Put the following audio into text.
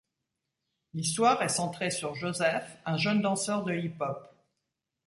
L'histoire est centrée sur Joseph, un jeune danseur de hip-hop.